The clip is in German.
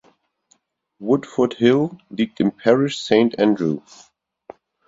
Woodford Hill liegt im Parish Saint Andrew.